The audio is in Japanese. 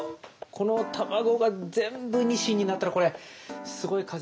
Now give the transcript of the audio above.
この卵が全部ニシンになったらこれすごい数ですよね。